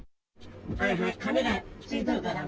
はいはい、カメラ付いとるからね。